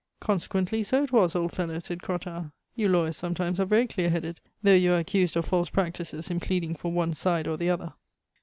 "Consequently so it was, old fellow!" said Crottat. "You lawyers sometimes are very clear headed, though you are accused of false practices in pleading for one side or the other."